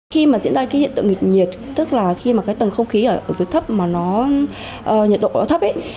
khi mà diễn ra cái hiện tượng nghịch nhiệt tức là khi mà cái tầng không khí ở dưới thấp mà nó nhiệt độ nó thấp ấy